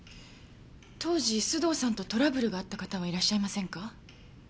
当時須藤さんとトラブルがあった方はいらっしゃいませんか？